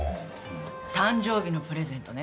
誕生日のプレゼントね！